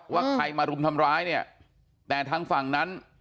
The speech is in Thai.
ว่าใครมารุมทำร้ายเนี่ยแต่ทางฝั่งนั้น